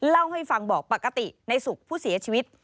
เล่าให้ฟังบอกปกติในสุขผู้เสียชีวิต